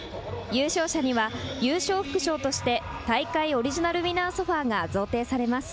優勝者には優勝副賞として大会オリジナルウィナーソファが贈呈されます。